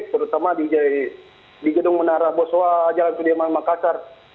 terutama di gedung menara boswa jalan sudirman makassar